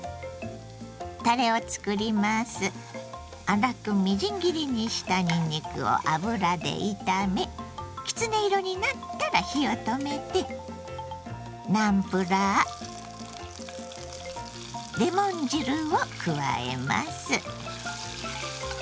粗くみじん切りにしたにんにくを油で炒めきつね色になったら火を止めてナムプラーレモン汁を加えます。